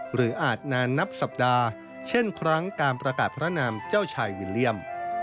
อาจนานนับสัปดาห์เช่นครั้งการประกาศพระนามเจ้าชายวิลเลี่ยม